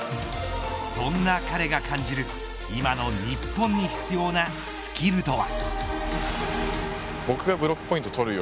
そんな彼が感じる今の日本に必要なスキルとは。